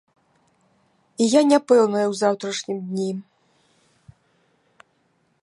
Я не пэўная ў заўтрашнім дні.